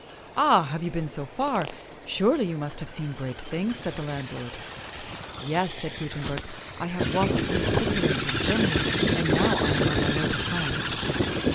"Ah, have you been so far.? Surely, you must have seen great things," said the landlord. " Yes," said Gutenberg ;" I have walked through Switzerland and Germany, and now I am on my way to France."